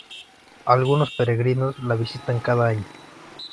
Algunos peregrinos la visitan cada año.